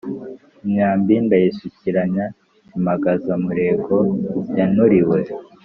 Imyambi ndayisukiranya Impangazamurego yanturiwe